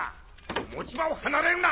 持ち場を離れるな！